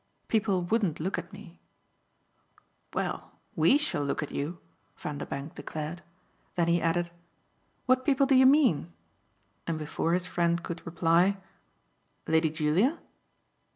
People wouldn't look at me " "Well, WE shall look at you," Vanderbank declared. Then he added: "What people do you mean?" And before his friend could reply: "Lady Julia?"